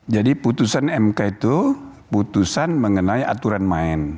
jadi putusan mk itu putusan mengenai aturan main